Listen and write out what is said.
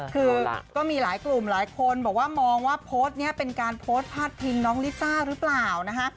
คือก็มีหลายกลุ่มหลายคนบอกว่ามองว่าโพสต์นี้เป็นการโพสต์พาดพิงน้องลิซ่าหรือเปล่านะคะ